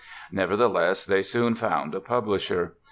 Nevertheless, they soon found a publisher.